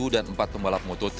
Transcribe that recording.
dan empat pembalap moto tiga